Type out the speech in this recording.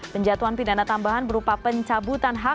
penjatuhan pidana tambahan berupa pencabutan hak